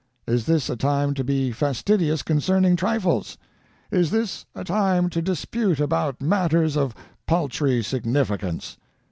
Is this a time to be fastidious concerning trifles? Is this a time to dispute about matters of paltry significance?